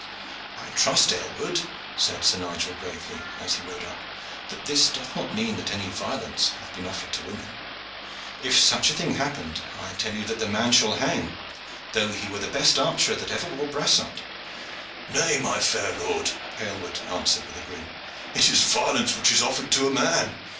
"I trust, Aylward," said Sir Nigel gravely, as he rode up, "that this doth not mean that any violence hath been offered to women. If such a thing happened, I tell you that the man shall hang, though he were the best archer that ever wore brassart." "Nay, my fair lord," Aylward answered with a grin, "it is violence which is offered to a man.